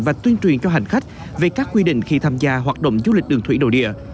và tuyên truyền cho hành khách về các quy định khi tham gia hoạt động du lịch đường thủy nội địa